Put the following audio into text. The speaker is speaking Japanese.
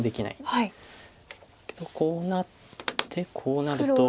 でもこうなってこうなると。